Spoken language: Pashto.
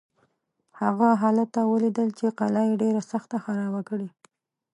هغه هلته ولیدل چې قلا یې ډېره سخته خرابه کړې.